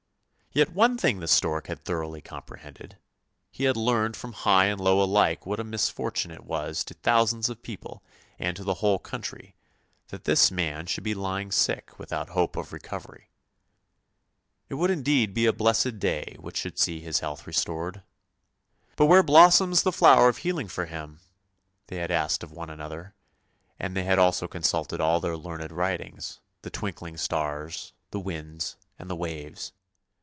Yet one thing the stork had thoroughly comprehended; he had heard from high and low alike what a misfortune it was to thousands of people and to the whole country, that this man should be lying sick without hope of recovery. It would indeed be a blessed day which should see his health restored. " But where blossoms the flower of healing for him? " they had asked of one .another, and they had also consulted all their learned writings, the twinkling stars, the winds, and the waves.